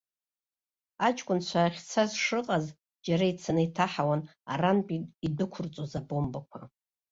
Аҷкәынцәа ахьцаз шыҟаз џьара ицаны иҭаҳауан арантәи идәықәырҵоз абомбақәа.